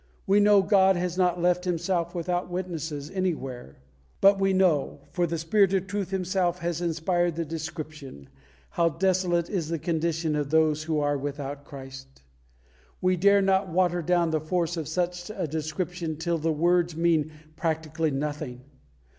We know God has not left Himself without witnesses anywhere. But we know for the Spirit of Truth Himself has inspired the description how desolate is the condition of those who are without Christ. We dare not water down the force of such a description till the words mean practically nothing.